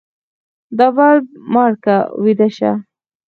دا بلپ مړ که ويده شه.